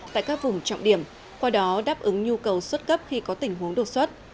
tại các vùng trọng điểm qua đó đáp ứng nhu cầu xuất cấp khi có tình huống đột xuất